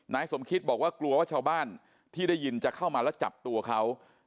นายสมคิตบอกว่ากลัวว่าชาวบ้านที่ได้ยินจะเข้ามาแล้วจับตัวเขา